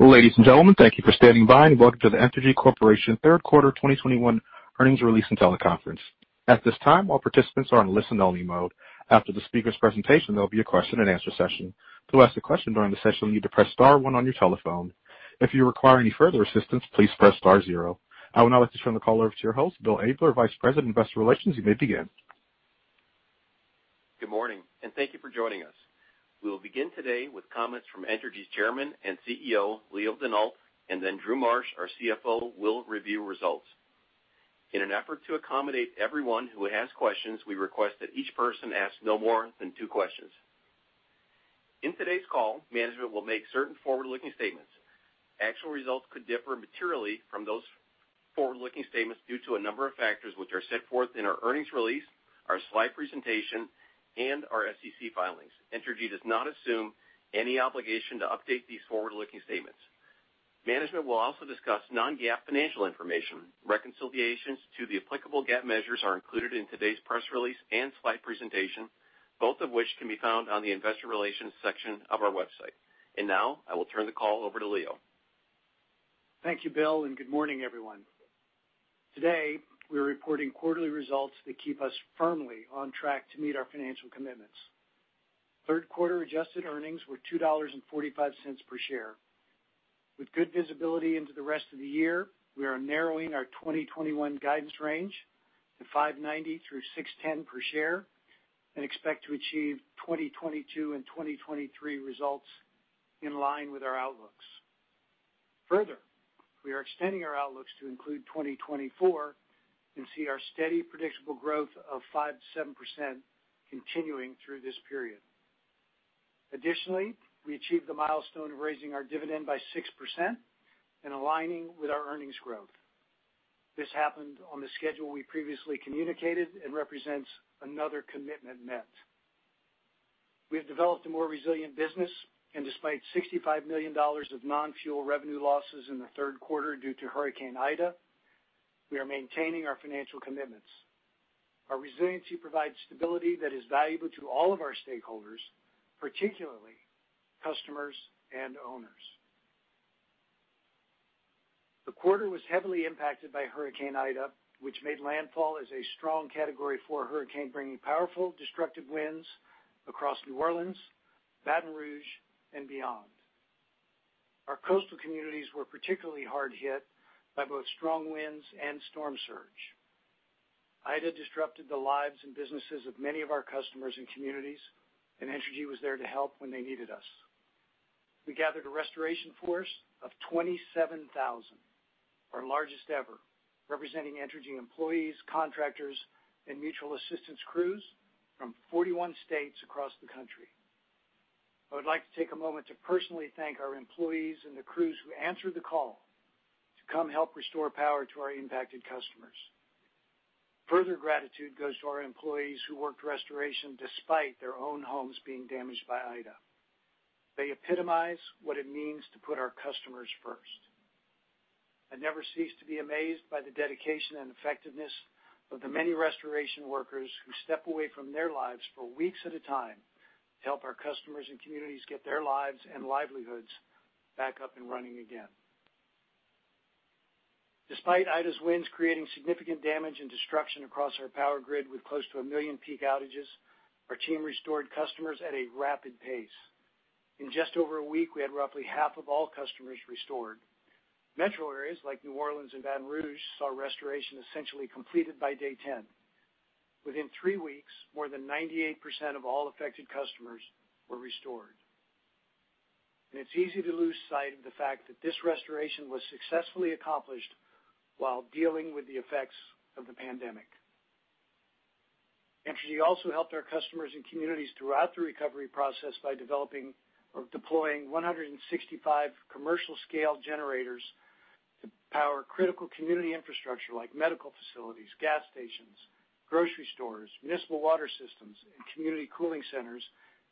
Ladies and gentlemen, thank you for standing by and welcome to the Entergy Corporation Third Quarter 2021 Earnings Release and Teleconference. At this time, all participants are on listen-only mode. After the speaker's presentation, there will be a question-and-answer session. To ask a question during the session, you need to press star one on your telephone. If you require any further assistance, please press star zero. I would now like to turn the call over to your host, Bill Abler, Vice President, Investor Relations. You may begin. Good morning, and thank you for joining us. We'll begin today with comments from Entergy's Chairman and CEO, Leo Denault, and then Drew Marsh, our CFO, will review results. In an effort to accommodate everyone who has questions, we request that each person ask no more than two questions. In today's call, management will make certain forward-looking statements. Actual results could differ materially from those forward-looking statements due to a number of factors which are set forth in our earnings release, our slide presentation, and our SEC filings. Entergy does not assume any obligation to update these forward-looking statements. Management will also discuss non-GAAP financial information. Reconciliations to the applicable GAAP measures are included in today's press release and slide presentation, both of which can be found on the Investor Relations section of our website, and now I will turn the call over to Leo. Thank you, Bill, and good morning, everyone. Today, we are reporting quarterly results that keep us firmly on track to meet our financial commitments. Third quarter adjusted earnings were $2.45 per share. With good visibility into the rest of the year, we are narrowing our 2021 guidance range to $5.90-$6.10 per share and expect to achieve 2022 and 2023 results in line with our outlooks. Further, we are extending our outlooks to include 2024 and see our steady predictable growth of 5%-7% continuing through this period. Additionally, we achieved the milestone of raising our dividend by 6% and aligning with our earnings growth. This happened on the schedule we previously communicated and represents another commitment met. We have developed a more resilient business, and despite $65 million of non-fuel revenue losses in the third quarter due to Hurricane Ida, we are maintaining our financial commitments. Our resiliency provides stability that is valuable to all of our stakeholders, particularly customers and owners. The quarter was heavily impacted by Hurricane Ida, which made landfall as a strong category four hurricane bringing powerful destructive winds across New Orleans, Baton Rouge, and beyond. Our coastal communities were particularly hard hit by both strong winds and storm surge. Ida disrupted the lives and businesses of many of our customers and communities, and Entergy was there to help when they needed us. We gathered a restoration force of 27,000, our largest ever, representing Entergy employees, contractors, and mutual assistance crews from 41 states across the country. I would like to take a moment to personally thank our employees and the crews who answered the call to come help restore power to our impacted customers. Further gratitude goes to our employees who worked restoration despite their own homes being damaged by Ida. They epitomize what it means to put our customers first. I never cease to be amazed by the dedication and effectiveness of the many restoration workers who step away from their lives for weeks at a time to help our customers and communities get their lives and livelihoods back up and running again. Despite Ida's winds creating significant damage and destruction across our power grid with close to a million peak outages, our team restored customers at a rapid pace. In just over a week, we had roughly half of all customers restored. Metro areas like New Orleans and Baton Rouge saw restoration essentially completed by day 10. Within three weeks, more than 98% of all affected customers were restored. And it's easy to lose sight of the fact that this restoration was successfully accomplished while dealing with the effects of the pandemic. Entergy also helped our customers and communities throughout the recovery process by developing or deploying 165 commercial-scale generators to power critical community infrastructure like medical facilities, gas stations, grocery stores, municipal water systems, and community cooling centers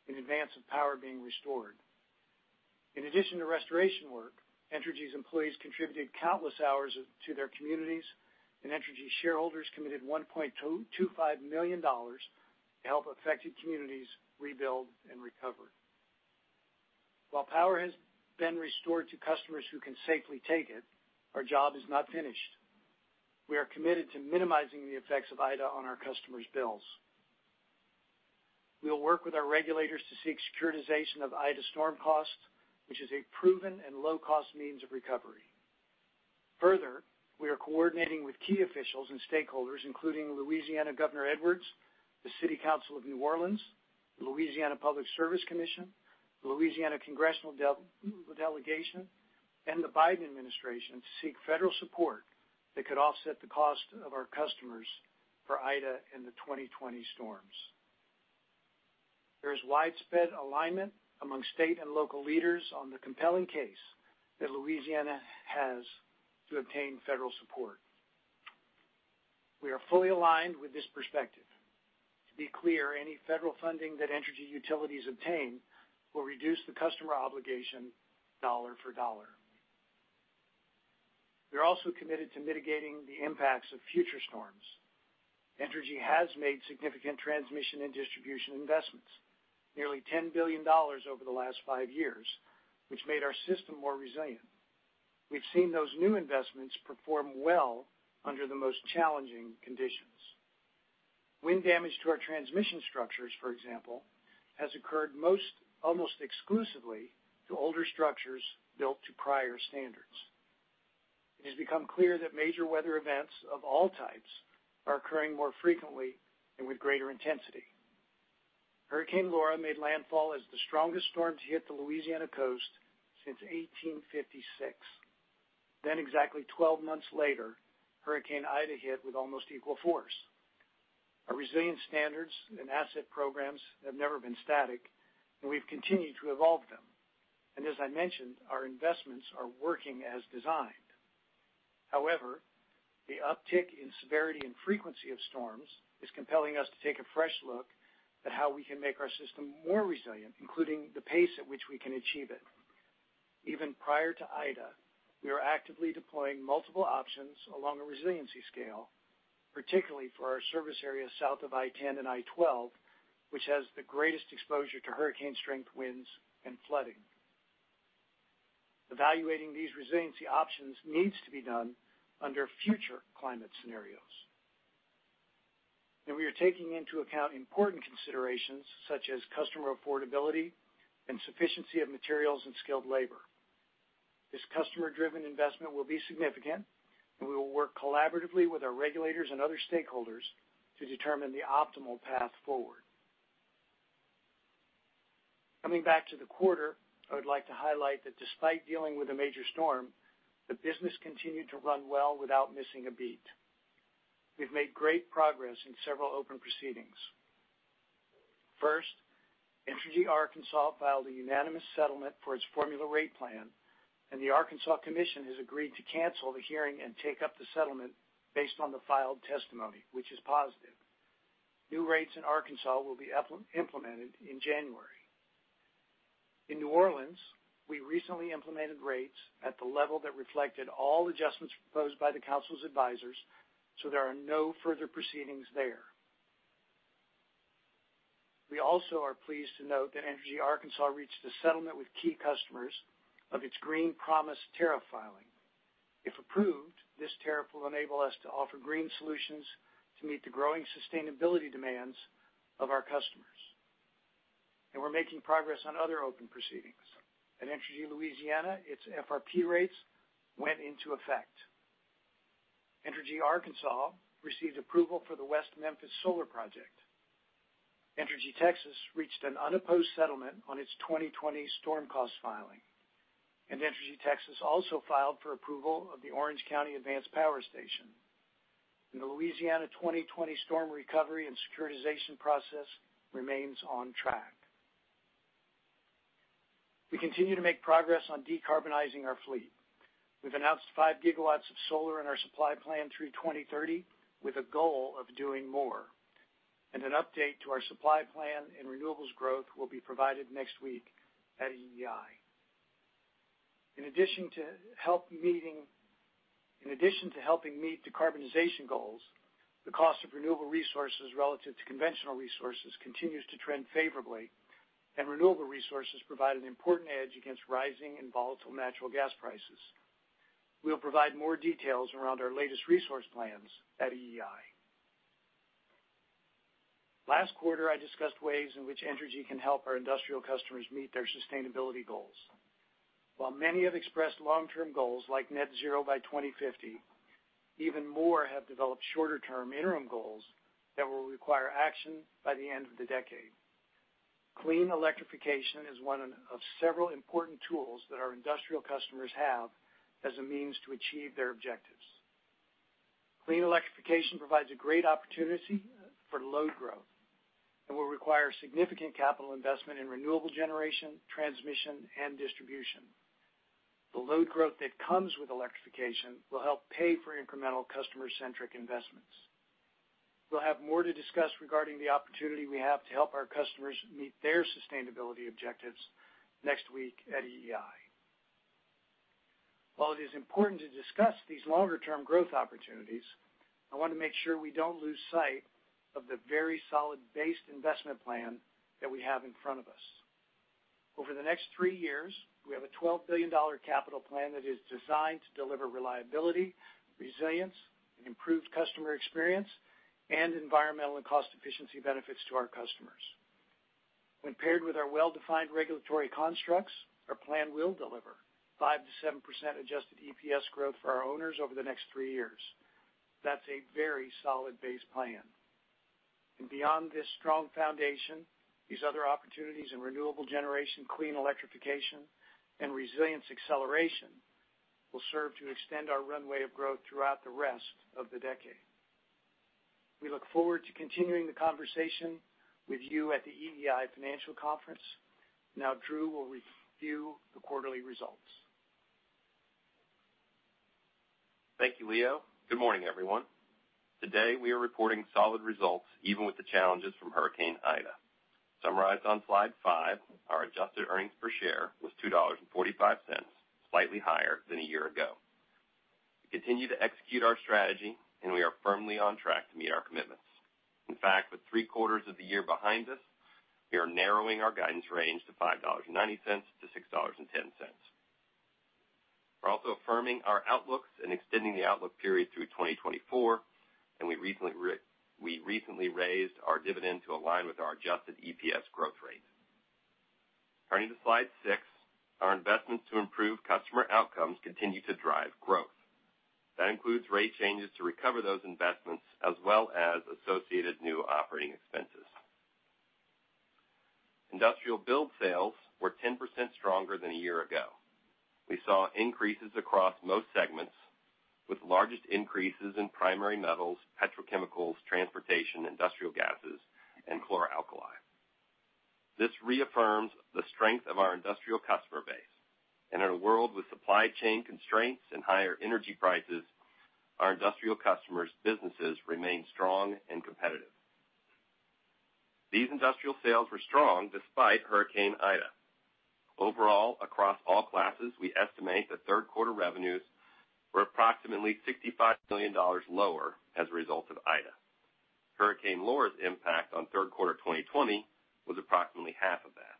in advance of power being restored. In addition to restoration work, Entergy's employees contributed countless hours to their communities, and Entergy shareholders committed $1.25 million to help affected communities rebuild and recover. While power has been restored to customers who can safely take it, our job is not finished. We are committed to minimizing the effects of Ida on our customers' bills. We will work with our regulators to seek securitization of Ida storm costs, which is a proven and low-cost means of recovery. Further, we are coordinating with key officials and stakeholders, including Louisiana Governor Edwards, the City Council of New Orleans, the Louisiana Public Service Commission, the Louisiana Congressional Delegation, and the Biden administration to seek federal support that could offset the cost of our customers for Ida and the 2020 storms. There is widespread alignment among state and local leaders on the compelling case that Louisiana has to obtain federal support. We are fully aligned with this perspective. To be clear, any federal funding that Entergy Utilities obtain will reduce the customer obligation dollar for dollar. We are also committed to mitigating the impacts of future storms. Entergy has made significant transmission and distribution investments, nearly $10 billion over the last five years, which made our system more resilient. We've seen those new investments perform well under the most challenging conditions. Wind damage to our transmission structures, for example, has occurred almost exclusively to older structures built to prior standards. It has become clear that major weather events of all types are occurring more frequently and with greater intensity. Hurricane Laura made landfall as the strongest storm to hit the Louisiana coast since 1856. Then, exactly 12 months later, Hurricane Ida hit with almost equal force. Our resilience standards and asset programs have never been static, and we've continued to evolve them. And as I mentioned, our investments are working as designed. However, the uptick in severity and frequency of storms is compelling us to take a fresh look at how we can make our system more resilient, including the pace at which we can achieve it. Even prior to Ida, we are actively deploying multiple options along a resiliency scale, particularly for our service area south of I-10 and I-12, which has the greatest exposure to hurricane-strength winds and flooding. Evaluating these resiliency options needs to be done under future climate scenarios, and we are taking into account important considerations such as customer affordability and sufficiency of materials and skilled labor. This customer-driven investment will be significant, and we will work collaboratively with our regulators and other stakeholders to determine the optimal path forward. Coming back to the quarter, I would like to highlight that despite dealing with a major storm, the business continued to run well without missing a beat. We've made great progress in several open proceedings. First, Entergy Arkansas filed a unanimous settlement for its Formula Rate Plan, and the Arkansas Commission has agreed to cancel the hearing and take up the settlement based on the filed testimony, which is positive. New rates in Arkansas will be implemented in January. In New Orleans, we recently implemented rates at the level that reflected all adjustments proposed by the council's advisors, so there are no further proceedings there. We also are pleased to note that Entergy Arkansas reached a settlement with key customers of its Green Promise tariff filing. If approved, this tariff will enable us to offer green solutions to meet the growing sustainability demands of our customers, and we're making progress on other open proceedings. At Entergy Louisiana, its FRP rates went into effect. Entergy Arkansas received approval for the West Memphis Solar Project. Entergy Texas reached an unopposed settlement on its 2020 storm cost filing. Entergy Texas also filed for approval of the Orange County Advanced Power Station. The Louisiana 2020 storm recovery and securitization process remains on track. We continue to make progress on decarbonizing our fleet. We've announced five gigawatts of solar in our supply plan through 2030, with a goal of doing more. An update to our supply plan and renewables growth will be provided next week at EEI. In addition to helping meet decarbonization goals, the cost of renewable resources relative to conventional resources continues to trend favorably, and renewable resources provide an important edge against rising and volatile natural gas prices. We'll provide more details around our latest resource plans at EEI. Last quarter, I discussed ways in which Entergy can help our industrial customers meet their sustainability goals. While many have expressed long-term goals like net zero by 2050, even more have developed shorter-term interim goals that will require action by the end of the decade. Clean electrification is one of several important tools that our industrial customers have as a means to achieve their objectives. Clean electrification provides a great opportunity for load growth and will require significant capital investment in renewable generation, transmission, and distribution. The load growth that comes with electrification will help pay for incremental customer-centric investments. We'll have more to discuss regarding the opportunity we have to help our customers meet their sustainability objectives next week at EEI. While it is important to discuss these longer-term growth opportunities, I want to make sure we don't lose sight of the very solidly based investment plan that we have in front of us. Over the next three years, we have a $12 billion capital plan that is designed to deliver reliability, resilience, improved customer experience, and environmental and cost-efficiency benefits to our customers. When paired with our well-defined regulatory constructs, our plan will deliver 5%-7% adjusted EPS growth for our owners over the next three years. That's a very solid-based plan and beyond this strong foundation, these other opportunities in renewable generation, clean electrification, and resilience acceleration will serve to extend our runway of growth throughout the rest of the decade. We look forward to continuing the conversation with you at the EEI Financial Conference. Now, Drew will review the quarterly results. Thank you, Leo. Good morning, everyone. Today, we are reporting solid results even with the challenges from Hurricane Ida. Summarized on slide 5, our adjusted earnings per share was $2.45, slightly higher than a year ago. We continue to execute our strategy, and we are firmly on track to meet our commitments. In fact, with three quarters of the year behind us, we are narrowing our guidance range to $5.90-$6.10. We're also affirming our outlooks and extending the outlook period through 2024, and we recently raised our dividend to align with our adjusted EPS growth rate. Turning to slide 6, our investments to improve customer outcomes continue to drive growth. That includes rate changes to recover those investments as well as associated new operating expenses. Industrial billed sales were 10% stronger than a year ago. We saw increases across most segments, with the largest increases in primary metals, petrochemicals, transportation, industrial gases, and chlor-alkali. This reaffirms the strength of our industrial customer base. And in a world with supply chain constraints and higher energy prices, our industrial customers' businesses remain strong and competitive. These industrial sales were strong despite Hurricane Ida. Overall, across all classes, we estimate that third-quarter revenues were approximately $65 million lower as a result of Ida. Hurricane Laura's impact on third quarter 2020 was approximately half of that.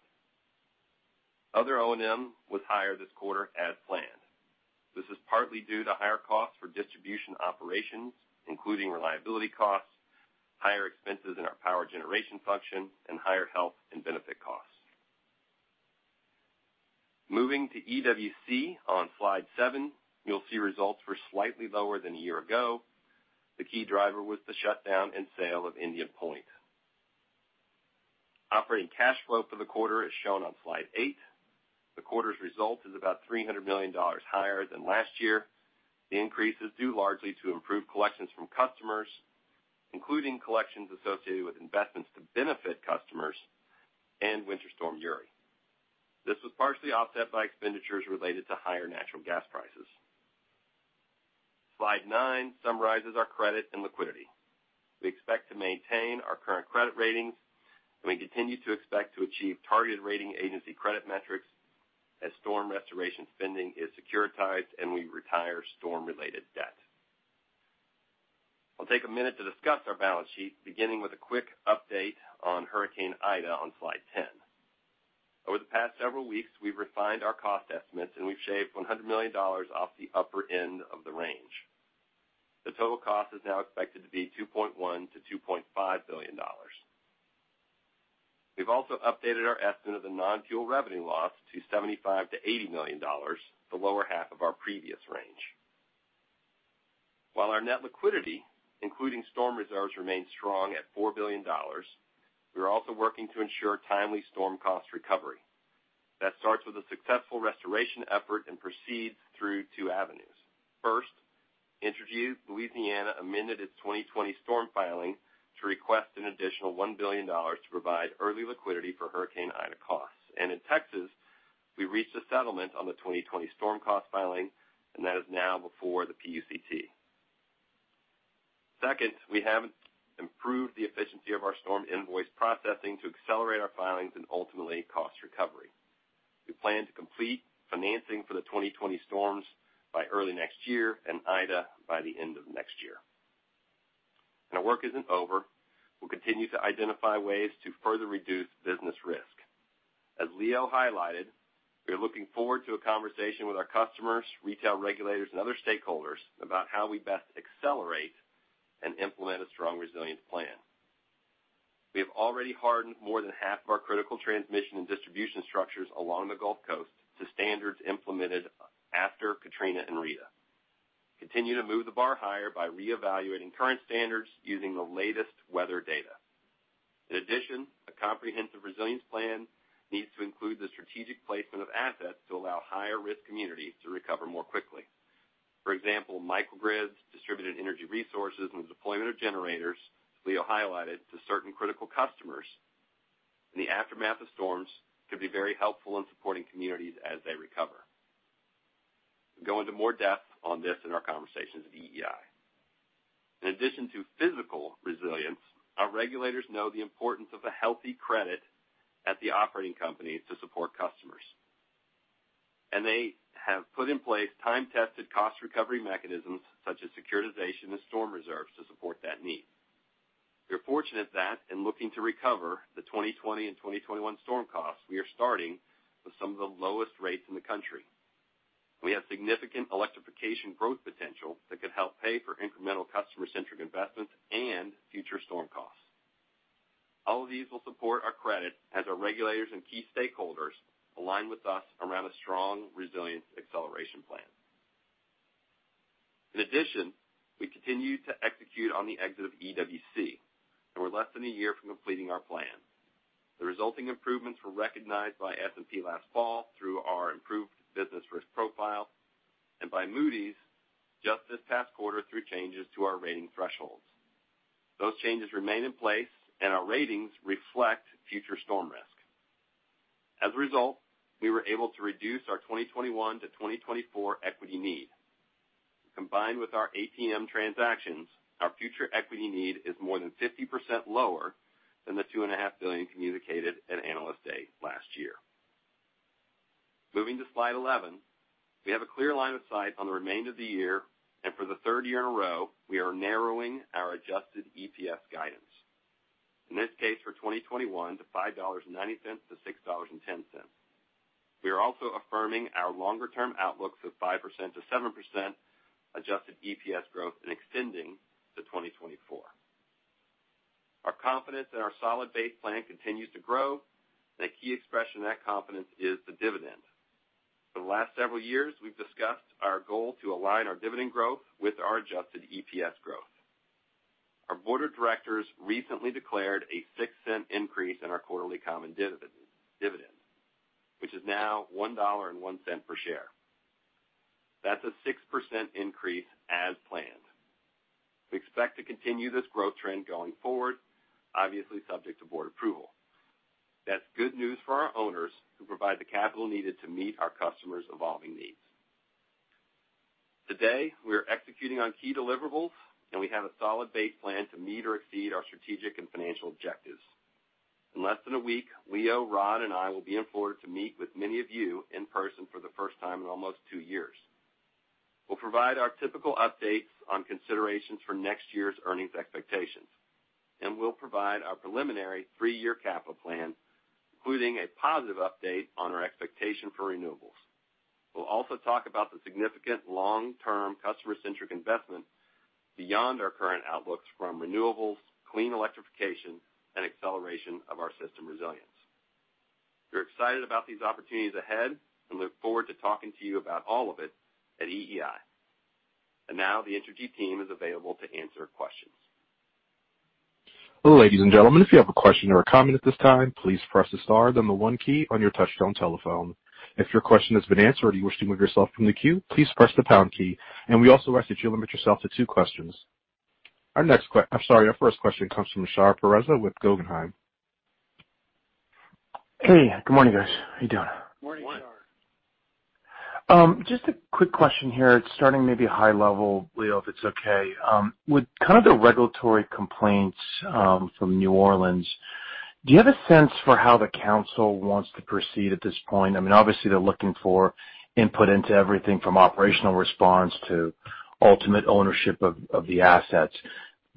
Other O&M was higher this quarter as planned. This is partly due to higher costs for distribution operations, including reliability costs, higher expenses in our power generation function, and higher health and benefit costs. Moving to EWC on slide 7, you'll see results were slightly lower than a year ago. The key driver was the shutdown and sale of Indian Point. Operating cash flow for the quarter is shown on slide 8. The quarter's result is about $300 million higher than last year. The increase is due largely to improved collections from customers, including collections associated with investments to benefit customers and Winter Storm Uri. This was partially offset by expenditures related to higher natural gas prices. Slide 9 summarizes our credit and liquidity. We expect to maintain our current credit ratings, and we continue to expect to achieve targeted rating agency credit metrics as storm restoration spending is securitized and we retire storm-related debt. I'll take a minute to discuss our balance sheet, beginning with a quick update on Hurricane Ida on slide 10. Over the past several weeks, we've refined our cost estimates, and we've shaved $100 million off the upper end of the range. The total cost is now expected to be $2.1-$2.5 billion. We've also updated our estimate of the non-fuel revenue loss to $75-$80 million, the lower half of our previous range. While our net liquidity, including storm reserves, remains strong at $4 billion, we are also working to ensure timely storm cost recovery. That starts with a successful restoration effort and proceeds through two avenues. First, Entergy Louisiana amended its 2020 storm filing to request an additional $1 billion to provide early liquidity for Hurricane Ida costs, and in Texas, we reached a settlement on the 2020 storm cost filing, and that is now before the PUCT. Second, we have improved the efficiency of our storm invoice processing to accelerate our filings and ultimately cost recovery. We plan to complete financing for the 2020 storms by early next year and Ida by the end of next year, and our work isn't over. We'll continue to identify ways to further reduce business risk. As Leo highlighted, we are looking forward to a conversation with our customers, retail regulators, and other stakeholders about how we best accelerate and implement a strong resilience plan. We have already hardened more than half of our critical transmission and distribution structures along the Gulf Coast to standards implemented after Katrina and Rita. Continue to move the bar higher by reevaluating current standards using the latest weather data. In addition, a comprehensive resilience plan needs to include the strategic placement of assets to allow higher-risk communities to recover more quickly. For example, microgrids, distributed energy resources, and the deployment of generators, Leo highlighted, to certain critical customers in the aftermath of storms could be very helpful in supporting communities as they recover. We'll go into more depth on this in our conversations at EEI. In addition to physical resilience, our regulators know the importance of a healthy credit at the operating companies to support customers. And they have put in place time-tested cost recovery mechanisms such as securitization and storm reserves to support that need. We're fortunate that in looking to recover the 2020 and 2021 storm costs, we are starting with some of the lowest rates in the country. We have significant electrification growth potential that could help pay for incremental customer-centric investments and future storm costs. All of these will support our credit as our regulators and key stakeholders align with us around a strong resilience acceleration plan. In addition, we continue to execute on the exit of EWC, and we're less than a year from completing our plan. The resulting improvements were recognized by S&P last fall through our improved business risk profile, and by Moody's just this past quarter through changes to our rating thresholds. Those changes remain in place, and our ratings reflect future storm risk. As a result, we were able to reduce our 2021-2024 equity need. Combined with our ATM transactions, our future equity need is more than 50% lower than the $2.5 billion communicated at Analyst Day last year. Moving to slide 11, we have a clear line of sight on the remainder of the year, and for the third year in a row, we are narrowing our adjusted EPS guidance. In this case, for 2021, to $5.90-$6.10. We are also affirming our longer-term outlooks of 5%-7% adjusted EPS growth and extending to 2024. Our confidence in our solid-based plan continues to grow, and a key expression of that confidence is the dividend. For the last several years, we've discussed our goal to align our dividend growth with our adjusted EPS growth. Our board of directors recently declared a $0.06 increase in our quarterly common dividend, which is now $1.01 per share. That's a 6% increase as planned. We expect to continue this growth trend going forward, obviously subject to board approval. That's good news for our owners who provide the capital needed to meet our customers' evolving needs. Today, we are executing on key deliverables, and we have a solid-based plan to meet or exceed our strategic and financial objectives. In less than a week, Leo, Rod, and I will be in Florida to meet with many of you in person for the first time in almost two years. We'll provide our typical updates on considerations for next year's earnings expectations, and we'll provide our preliminary three-year capital plan, including a positive update on our expectation for renewables. We'll also talk about the significant long-term customer-centric investment beyond our current outlooks from renewables, clean electrification, and acceleration of our system resilience. We're excited about these opportunities ahead and look forward to talking to you about all of it at EEI. Now, the Entergy team is available to answer questions. Hello, ladies and gentlemen. If you have a question or a comment at this time, please press the star, then the 1 key on your touch-tone telephone. If your question has been answered or you wish to move yourself from the queue, please press the pound key. And we also ask that you limit yourself to two questions. Our next question, I'm sorry, our first question comes from Shar Pourreza with Guggenheim Securities. Hey, good morning, guys. How are you doing? Good morning, Shar. Just a quick question here. It's starting maybe high level, Leo, if it's okay. With kind of the regulatory complaints from New Orleans, do you have a sense for how the council wants to proceed at this point? I mean, obviously, they're looking for input into everything from operational response to ultimate ownership of the assets.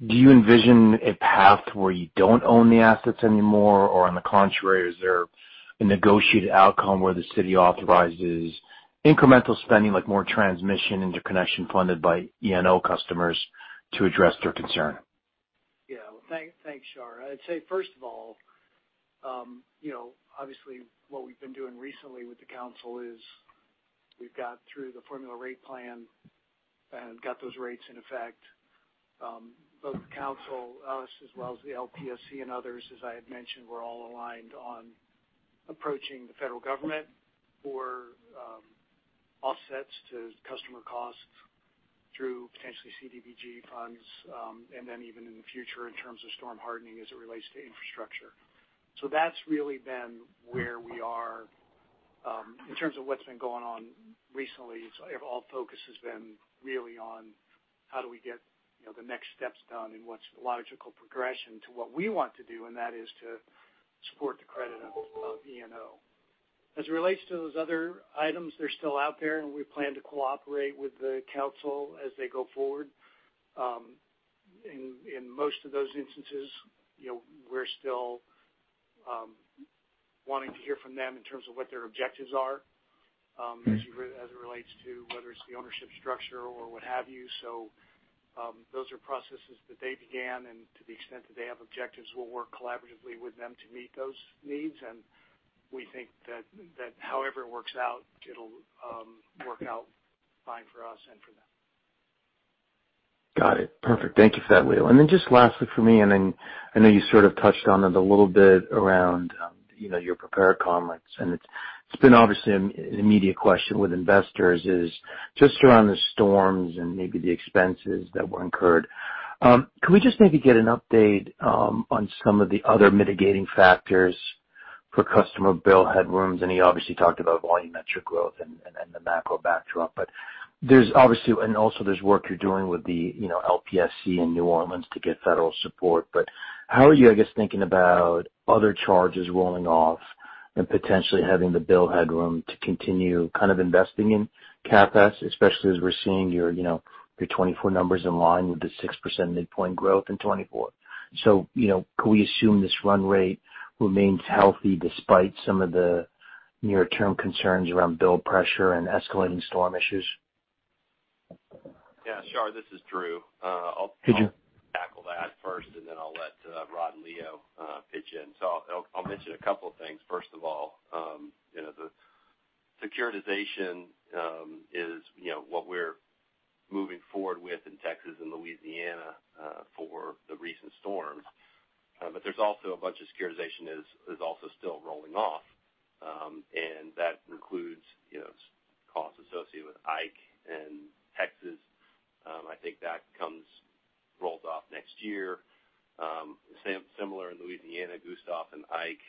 Do you envision a path where you don't own the assets anymore, or on the contrary, is there a negotiated outcome where the city authorizes incremental spending, like more transmission interconnection funded by ENO customers to address their concern? Yeah. Well, thanks, Shar. I'd say, first of all, obviously, what we've been doing recently with the council is we've got, through the Formula Rate Plan, and got those rates in effect. Both the council, us, as well as the LPSC and others, as I had mentioned, we're all aligned on approaching the federal government for offsets to customer costs through potentially CDBG funds, and then even in the future in terms of storm hardening as it relates to infrastructure. So that's really been where we are. In terms of what's been going on recently, all focus has been really on how do we get the next steps done and what's the logical progression to what we want to do, and that is to support the credit of ENO. As it relates to those other items, they're still out there, and we plan to cooperate with the council as they go forward. In most of those instances, we're still wanting to hear from them in terms of what their objectives are as it relates to whether it's the ownership structure or what have you. So those are processes that they began, and to the extent that they have objectives, we'll work collaboratively with them to meet those needs, and we think that however it works out, it'll work out fine for us and for them. Got it. Perfect. Thank you for that, Leo. And then just lastly for me, and then I know you sort of touched on it a little bit around your prepared comments, and it's been obviously an immediate question with investors is just around the storms and maybe the expenses that were incurred. Can we just maybe get an update on some of the other mitigating factors for customer bill headrooms? And he obviously talked about volumetric growth and the macro backdrop. But there's obviously, and also there's work you're doing with the LPSC in New Orleans to get federal support. But how are you, I guess, thinking about other charges rolling off and potentially having the bill headroom to continue kind of investing in CapEx, especially as we're seeing your 2024 numbers in line with the 6% midpoint growth in 2024? Can we assume this run rate remains healthy despite some of the near-term concerns around bill pressure and escalating storm issues? Yeah. Shar, this is Drew. Could you? Tackle that first, and then I'll let Rod and Leo pitch in. So I'll mention a couple of things. First of all, the securitization is what we're moving forward with in Texas and Louisiana for the recent storms. But there's also a bunch of securitization that is also still rolling off, and that includes costs associated with Ike and Texas. I think that rolls off next year. Similar in Louisiana, Gustav and Ike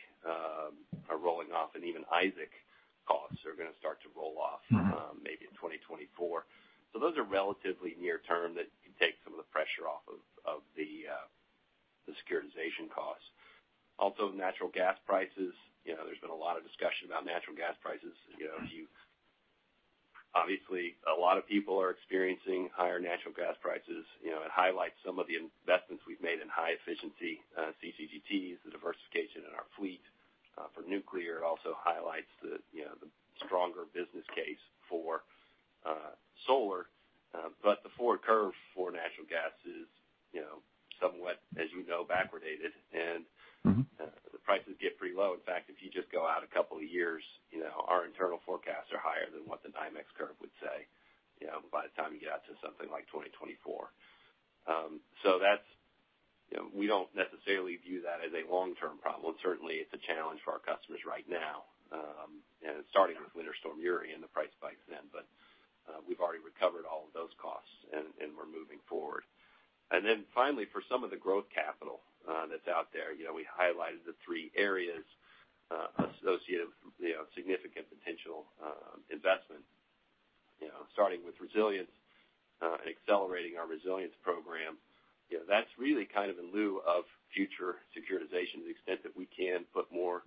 are rolling off, and even Ida costs are going to start to roll off maybe in 2024. So those are relatively near-term that can take some of the pressure off of the securitization costs. Also, natural gas prices. There's been a lot of discussion about natural gas prices. Obviously, a lot of people are experiencing higher natural gas prices. It highlights some of the investments we've made in high-efficiency CCGTs, the diversification in our fleet for nuclear. It also highlights the stronger business case for solar. But the forward curve for natural gas is somewhat, as you know, backwardated, and the prices get pretty low. In fact, if you just go out a couple of years, our internal forecasts are higher than what the NYMEX curve would say by the time you get out to something like 2024. So we don't necessarily view that as a long-term problem. Certainly, it's a challenge for our customers right now, starting with Winter Storm Uri and the price spikes then. But we've already recovered all of those costs, and we're moving forward. Then finally, for some of the growth capital that's out there, we highlighted the three areas associated with significant potential investment, starting with resilience and accelerating our resilience program. That's really kind of in lieu of future securitization to the extent that we can put more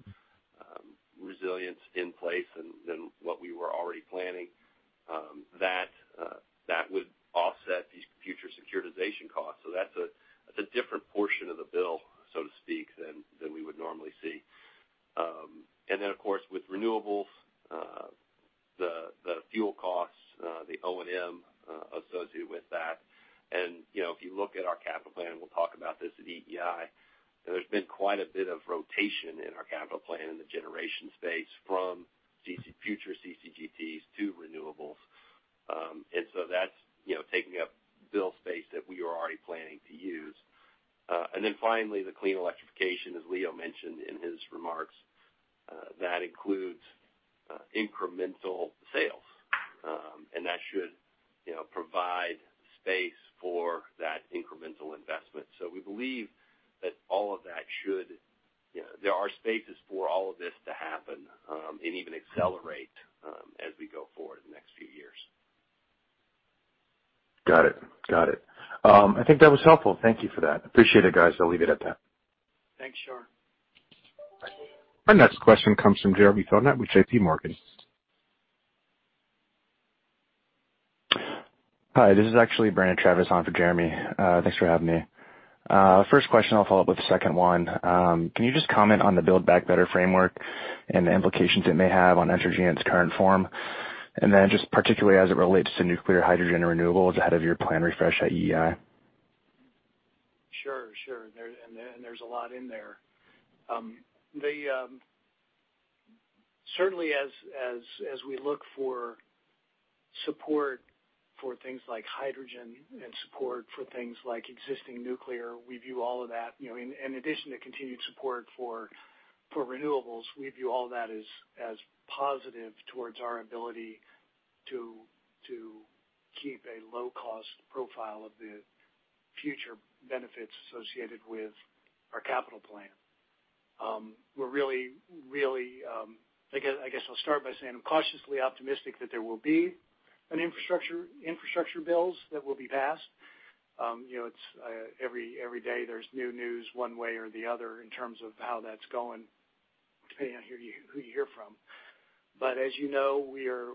resilience in place than what we were already planning. That would offset these future securitization costs. So that's a different portion of the bill, so to speak, than we would normally see. And then, of course, with renewables, the fuel costs, the O&M associated with that. And if you look at our capital plan, and we'll talk about this at EEI, there's been quite a bit of rotation in our capital plan in the generation space from future CCGTs to renewables. And so that's taking up bill space that we were already planning to use. And then finally, the clean electrification, as Leo mentioned in his remarks, that includes incremental sales, and that should provide space for that incremental investment. So we believe that all of that should. There are spaces for all of this to happen and even accelerate as we go forward in the next few years. Got it. Got it. I think that was helpful. Thank you for that. Appreciate it, guys. I'll leave it at that. Thanks, Shar. My next question comes from Jeremy Tonet with J.P. Morgan. Hi. This is actually Brandon Travis on for Jeremy. Thanks for having me. First question, I'll follow up with the second one. Can you just comment on the Build Back Better framework and the implications it may have on energy in its current form? And then just particularly as it relates to nuclear hydrogen renewables ahead of your plan refresh at EEI? Sure. Sure, and there's a lot in there. Certainly, as we look for support for things like hydrogen and support for things like existing nuclear, we view all of that, in addition to continued support for renewables, we view all of that as positive towards our ability to keep a low-cost profile of the future benefits associated with our capital plan. We're really, really, I guess I'll start by saying I'm cautiously optimistic that there will be infrastructure bills that will be passed. Every day, there's new news one way or the other in terms of how that's going, depending on who you hear from, but as you know, we're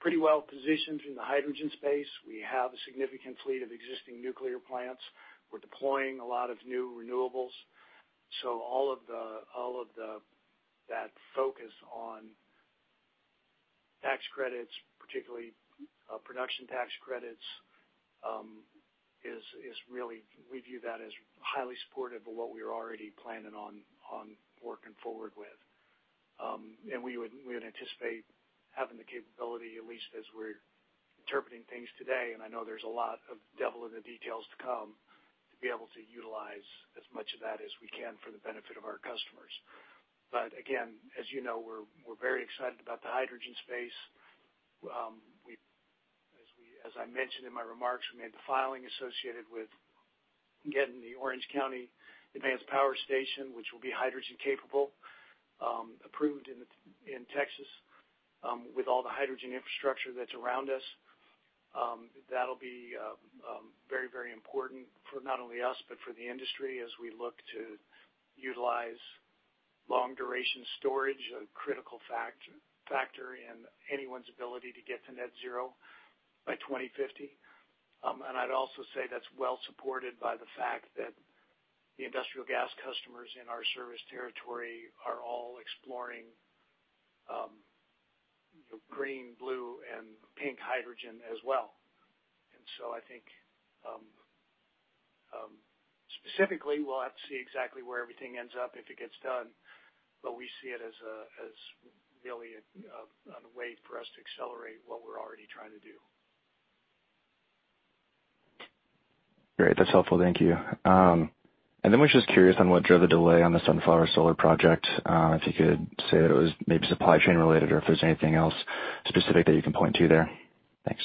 pretty well positioned in the hydrogen space. We have a significant fleet of existing nuclear plants. We're deploying a lot of new renewables. So all of that focus on tax credits, particularly production tax credits, is really, we view that as highly supportive of what we were already planning on working forward with. And we would anticipate having the capability, at least as we're interpreting things today, and I know there's a lot of devil in the details to come, to be able to utilize as much of that as we can for the benefit of our customers. But again, as you know, we're very excited about the hydrogen space. As I mentioned in my remarks, we made the filing associated with getting the Orange County Advanced Power Station, which will be hydrogen-capable, approved in Texas with all the hydrogen infrastructure that's around us. That'll be very, very important for not only us, but for the industry as we look to utilize long-duration storage, a critical factor in anyone's ability to get to net zero by 2050. And I'd also say that's well supported by the fact that the industrial gas customers in our service territory are all exploring green, blue, and pink hydrogen as well. And so I think specifically, we'll have to see exactly where everything ends up if it gets done, but we see it as really a way for us to accelerate what we're already trying to do. Great. That's helpful. Thank you. And then we're just curious on what drove the delay on the Sunflower Solar Project. If you could say that it was maybe supply chain related or if there's anything else specific that you can point to there. Thanks.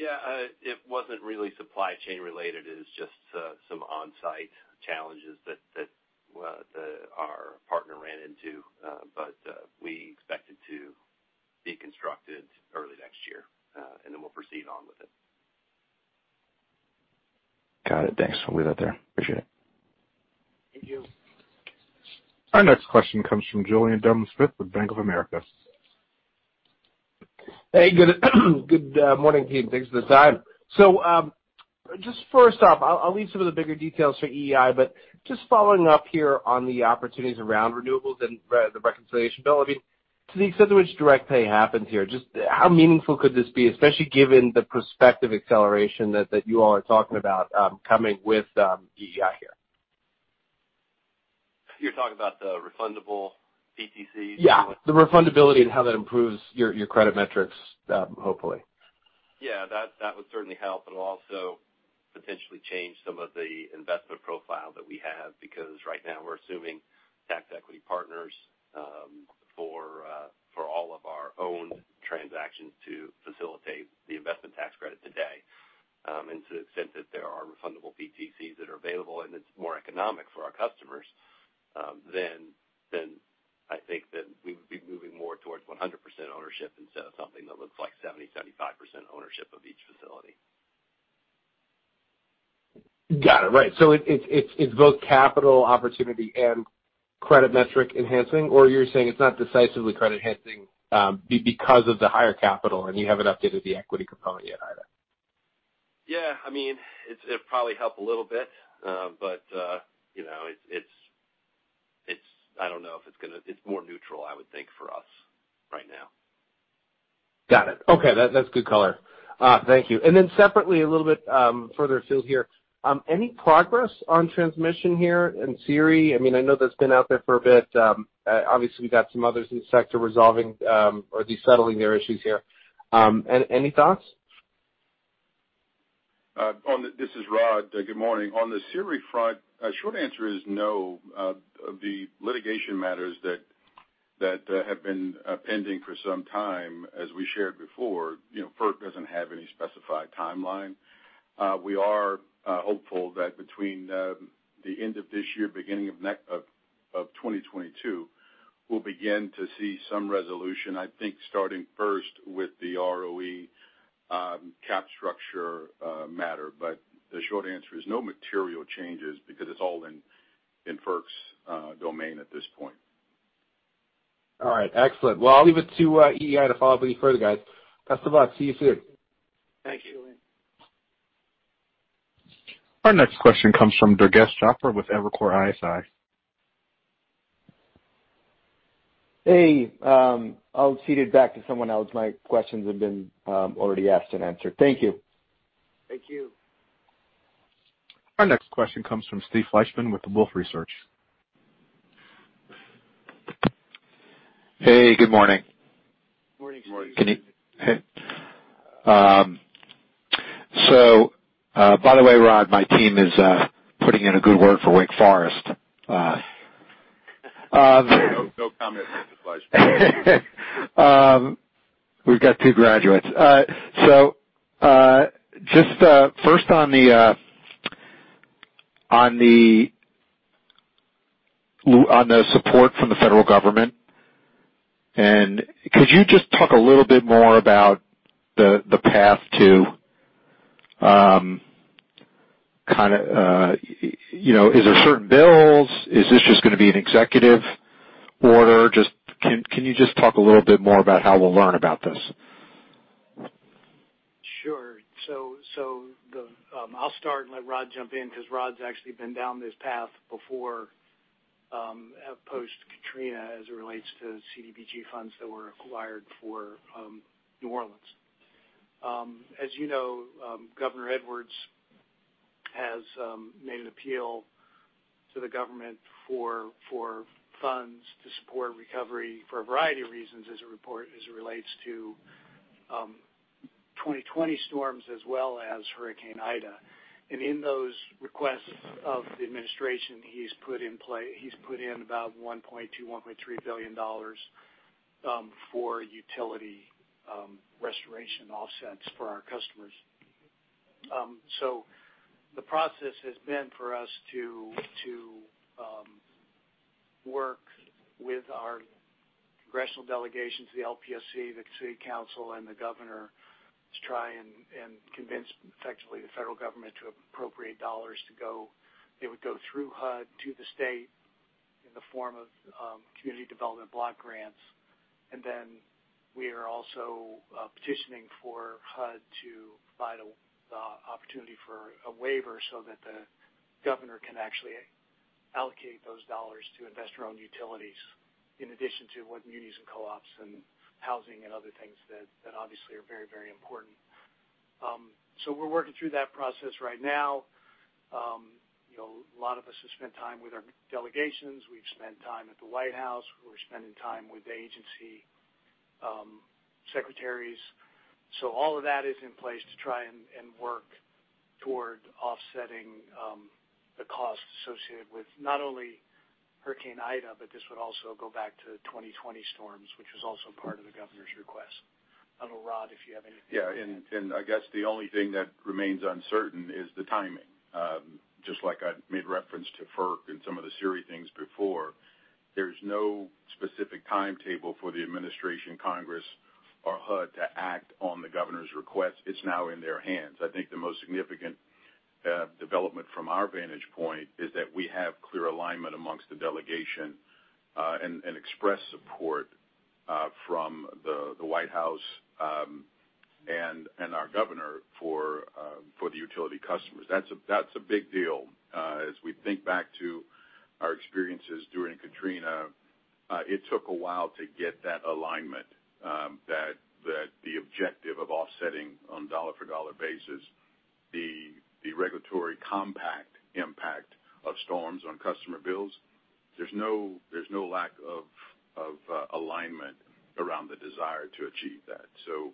Yeah. It wasn't really supply chain related. It was just some on-site challenges that our partner ran into, but we expect it to be constructed early next year, and then we'll proceed on with it. Got it. Thanks. We'll leave it there. Appreciate it. Thank you. Our next question comes from Julien Dumoulin-Smith with Bank of America. Hey. Good morning, Team. Thanks for the time. So just first off, I'll leave some of the bigger details for EEI, but just following up here on the opportunities around renewables and the reconciliation bill. I mean, to the extent in which direct pay happens here, just how meaningful could this be, especially given the prospective acceleration that you all are talking about coming with EEI here? You're talking about the refundable PTCs? Yeah. The refundability and how that improves your credit metrics, hopefully. Yeah. That would certainly help, but it'll also potentially change some of the investment profile that we have because right now we're assuming tax equity partners for all of our owned transactions to facilitate the investment tax credit today. And to the extent that there are refundable PTCs that are available and it's more economic for our customers, then I think that we would be moving more towards 100% ownership instead of something that looks like 70%-75% ownership of each facility. Got it. Right. So it's both capital opportunity and credit metric enhancing, or you're saying it's not decisively credit-enhancing because of the higher capital, and you haven't updated the equity component yet either? Yeah. I mean, it'll probably help a little bit, but I don't know if it's going to. It's more neutral, I would think, for us right now. Got it. Okay. That's good color. Thank you. And then separately, a little bit further afield here. Any progress on transmission here in SERI? I mean, I know that's been out there for a bit. Obviously, we've got some others in the sector resolving or desettling their issues here. Any thoughts? This is Rod. Good morning. On the SERI front, short answer is no. The litigation matters that have been pending for some time, as we shared before. FERC doesn't have any specified timeline. We are hopeful that between the end of this year, beginning of 2022, we'll begin to see some resolution, I think starting first with the ROE cap structure matter. But the short answer is no material changes because it's all in FERC's domain at this point. All right. Excellent. Well, I'll leave it to EEI to follow up with you further, guys. Best of luck. See you soon. Thank you. Our next question comes from Durgesh Chopra with Evercore ISI. Hey. I'll feed it back to someone else. My questions have been already asked and answered. Thank you. Thank you. Our next question comes from Steve Fleishman with Wolfe Research. Hey. Good morning. Morning, Steve. Morning. Hey. So by the way, Rod, my team is putting in a good word for Wake Forest. No comment from Mr. Fleishman. We've got two graduates. So just first on the support from the federal government, could you just talk a little bit more about the path to kind of - is there certain bills? Is this just going to be an executive order? Can you just talk a little bit more about how we'll learn about this? Sure. So I'll start and let Rod jump in because Rod's actually been down this path before post-Katrina as it relates to CDBG funds that were acquired for New Orleans. As you know, Governor Edwards has made an appeal to the government for funds to support recovery for a variety of reasons as it relates to 2020 storms as well as Hurricane Ida. And in those requests of the administration, he's put in about $1.2-$1.3 billion for utility restoration offsets for our customers. So the process has been for us to work with our congressional delegations, the LPSC, the city council, and the governor to try and convince effectively the federal government to appropriate dollars to go. They would go through HUD to the state in the form of Community Development Block Grants. And then we are also petitioning for HUD to provide the opportunity for a waiver so that the governor can actually allocate those dollars to invest in our own utilities in addition to what communities and co-ops and housing and other things that obviously are very, very important. So we're working through that process right now. A lot of us have spent time with our delegations. We've spent time at the White House. We're spending time with the agency secretaries. So all of that is in place to try and work toward offsetting the cost associated with not only Hurricane Ida, but this would also go back to 2020 storms, which was also part of the governor's request. I don't know, Rod, if you have anything to add. Yeah, and I guess the only thing that remains uncertain is the timing. Just like I made reference to FERC and some of the SERI things before, there's no specific timetable for the administration, Congress, or HUD to act on the governor's requests. It's now in their hands. I think the most significant development from our vantage point is that we have clear alignment amongst the delegation and express support from the White House and our governor for the utility customers. That's a big deal. As we think back to our experiences during Katrina, it took a while to get that alignment, that the objective of offsetting on dollar-for-dollar basis, the regulatory compact impact of storms on customer bills. There's no lack of alignment around the desire to achieve that. So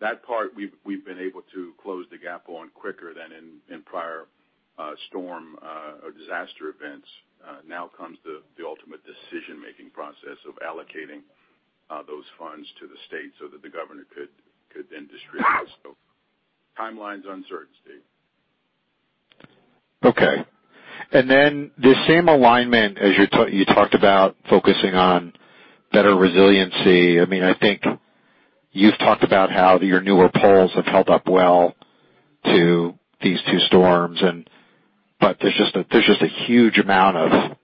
that part, we've been able to close the gap on quicker than in prior storm or disaster events. Now comes the ultimate decision-making process of allocating those funds to the state so that the governor could then distribute. So timeline's uncertain, Steve. Okay. And then the same alignment as you talked about focusing on better resiliency. I mean, I think you've talked about how your newer poles have held up well to these two storms, but there's just a huge amount of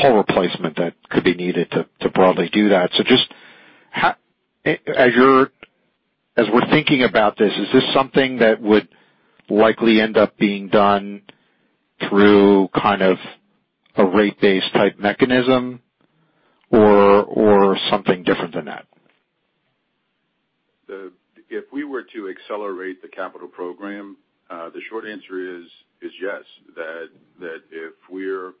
pole replacement that could be needed to broadly do that. So just as we're thinking about this, is this something that would likely end up being done through kind of a rate-based type mechanism or something different than that? If we were to accelerate the capital program, the short answer is yes, that if we're,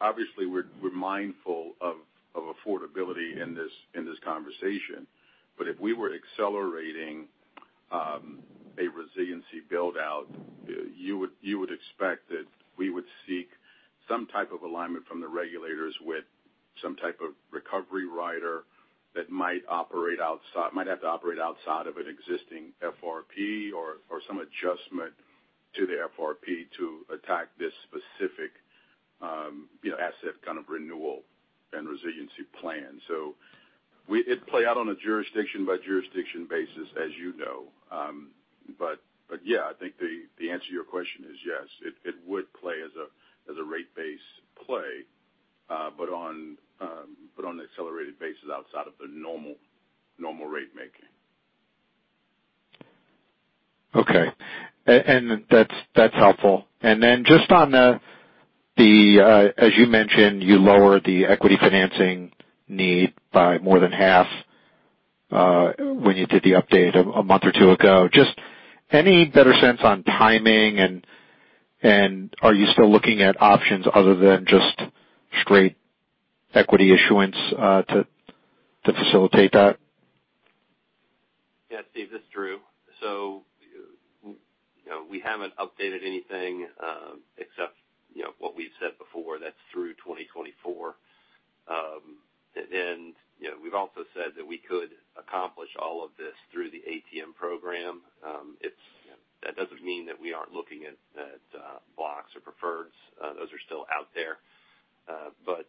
obviously, we're mindful of affordability in this conversation. But if we were accelerating a resiliency build-out, you would expect that we would seek some type of alignment from the regulators with some type of recovery rider that might operate outside, might have to operate outside of an existing FRP or some adjustment to the FRP to attack this specific asset kind of renewal and resiliency plan, so it'd play out on a jurisdiction-by-jurisdiction basis, as you know, but yeah, I think the answer to your question is yes. It would play as a rate-based play, but on an accelerated basis outside of the normal rate-making. Okay. And that's helpful. And then just on the, as you mentioned, you lowered the equity financing need by more than half when you did the update a month or two ago. Just any better sense on timing, and are you still looking at options other than just straight equity issuance to facilitate that? Yeah, Steve, this is Drew. So we haven't updated anything except what we've said before, that's through 2024. And we've also said that we could accomplish all of this through the ATM program. That doesn't mean that we aren't looking at blocks or preferreds. Those are still out there. But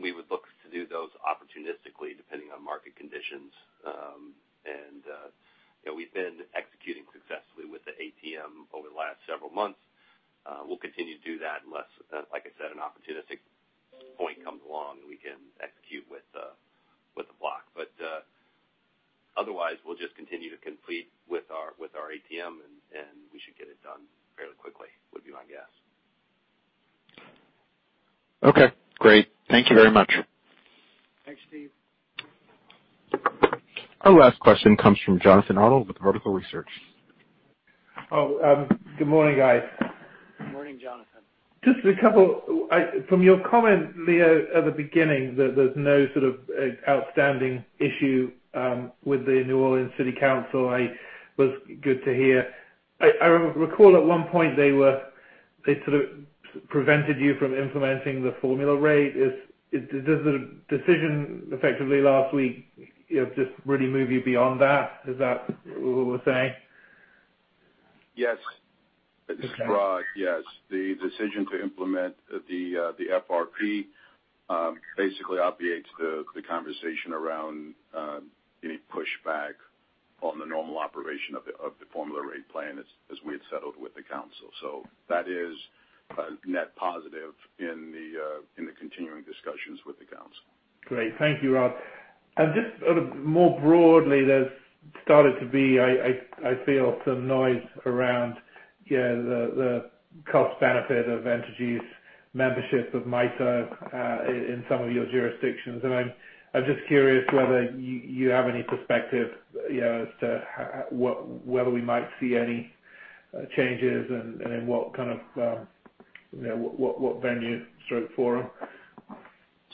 we would look to do those opportunistically depending on market conditions. And we've been executing successfully with the ATM over the last several months. We'll continue to do that unless, like I said, an opportunistic point comes along and we can execute with the block. But otherwise, we'll just continue to complete our ATM, and we should get it done fairly quickly, would be my guess. Okay. Great. Thank you very much. Thanks, Steve. Our last question comes from Jonathan Arnold with Vertical Research. Oh, good morning, guys. Good morning, Jonathan. Just a couple from your comment, Leo, at the beginning, there's no sort of outstanding issue with the New Orleans City Council. It was good to hear. I recall at one point they sort of prevented you from implementing the formula rate. Does the decision effectively last week just really move you beyond that? Is that what we're saying? Yes. This is Rod. Yes. The decision to implement the FRP basically obviates the conversation around any pushback on the normal operation of the Formula Rate Plan as we had settled with the council. So that is a net positive in the continuing discussions with the council. Great. Thank you, Rod. And just more broadly, there's started to be, I feel, some noise around the cost-benefit of Entergy's membership of MISO in some of your jurisdictions. And I'm just curious whether you have any perspective as to whether we might see any changes and in what kind of venue or forum.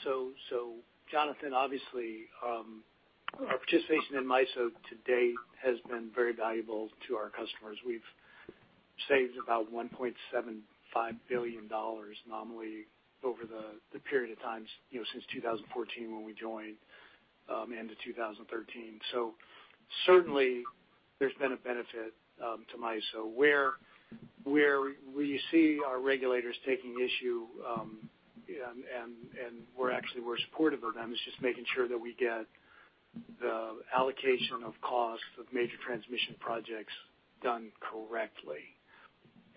So Jonathan, obviously, our participation in MISO today has been very valuable to our customers. We've saved about $1.75 billion nominally over the period of time since 2014 when we joined and in 2013. So certainly, there's been a benefit to MISO. Where we see our regulators taking issue and where actually we're supportive of them is just making sure that we get the allocation of costs of major transmission projects done correctly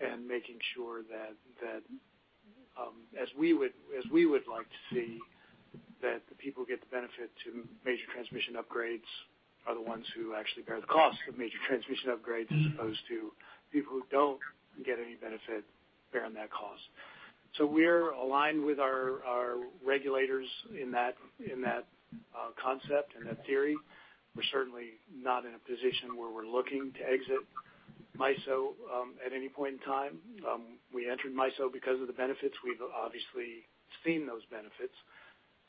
and making sure that, as we would like to see, that the people who get the benefit to major transmission upgrades are the ones who actually bear the cost of major transmission upgrades as opposed to people who don't get any benefit bearing that cost. So we're aligned with our regulators in that concept and that theory. We're certainly not in a position where we're looking to exit MISO at any point in time. We entered MISO because of the benefits. We've obviously seen those benefits.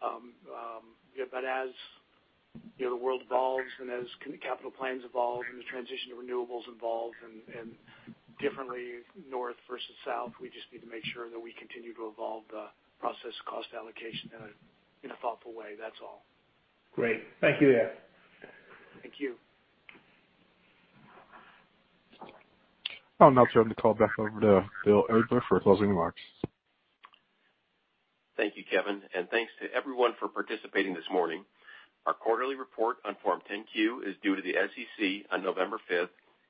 But as the world evolves and as capital plans evolve and the transition to renewables evolves and differently north versus south, we just need to make sure that we continue to evolve the process cost allocation in a thoughtful way. That's all. Great. Thank you, Leo. Thank you. I'll now turn the call back over to Bill Abler for closing remarks. Thank you, Kevin. And thanks to everyone for participating this morning. Our quarterly report on Form 10-Q is due to the SEC on November 5th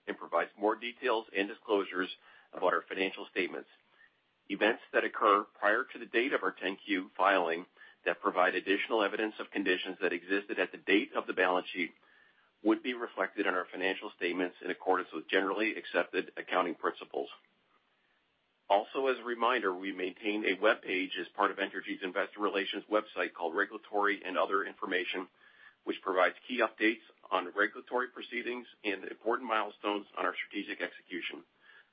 and provides more details and disclosures about our financial statements. Events that occur prior to the date of our 10-Q filing that provide additional evidence of conditions that existed at the date of the balance sheet would be reflected in our financial statements in accordance with generally accepted accounting principles. Also, as a reminder, we maintain a web page as part of Entergy's investor relations website called Regulatory and Other Information, which provides key updates on regulatory proceedings and important milestones on our strategic execution.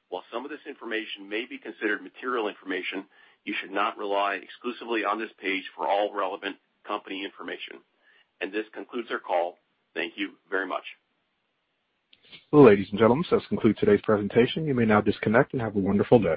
While some of this information may be considered material information, you should not rely exclusively on this page for all relevant company information. And this concludes our call. Thank you very much. Ladies and gentlemen, so this concludes today's presentation. You may now disconnect and have a wonderful day.